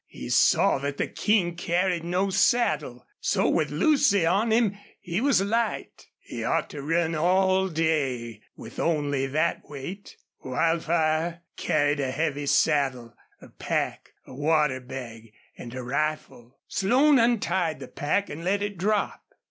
He saw that the King carried no saddle, so with Lucy on him he was light. He ought to run all day with only that weight. Wildfire carried a heavy saddle, a pack, a water bag, and a rifle. Slone untied the pack and let it drop.